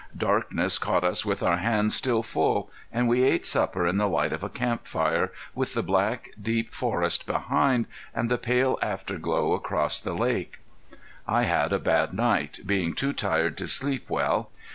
Darkness caught us with our hands still full, and we ate supper in the light of a camp fire, with the black, deep forest behind, and the pale afterglow across the lake. I had a bad night, being too tired to sleep well.